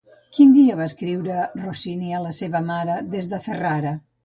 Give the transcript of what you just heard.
Quin dia va escriure Rossini a la seva mare des de Ferrara?